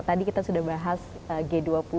tadi kita sudah bahas g dua puluh